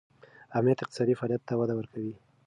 امنیت اقتصادي فعالیت ته وده ورکوي.